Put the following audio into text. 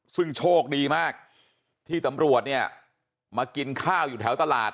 ซึ่งโชคดีมากที่ตำรวจเนี่ยมากินข้าวอยู่แถวตลาด